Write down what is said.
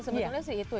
sebetulnya sih itu ya